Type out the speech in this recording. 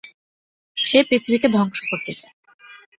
সে পৃথিবী কে ধংস করতে চায়।